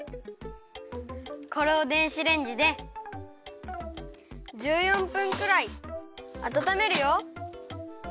これを電子レンジで１４分くらいあたためるよ。